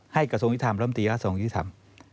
ให้กับทรงค์ยุธรรมล้ำตี่ยาค้าทรงค์ยุธรรม